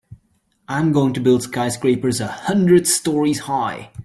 I'm going to build skyscrapers a hundred stories high.